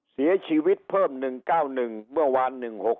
เสียชีวิตเพิ่ม๑๙๑เมื่อวาน๑๖๖